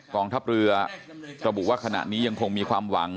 กองทัพเรือระบุว่าขณะนี้ยังคงมีความหวัง